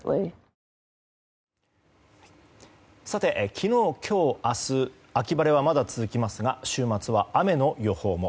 昨日、今日、明日秋晴れはまだ続きますが週末は雨の予報も。